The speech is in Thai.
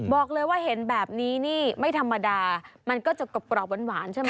บอกเลยว่าเห็นแบบนี้นี่ไม่ธรรมดามันก็จะกรอบหวานใช่ไหม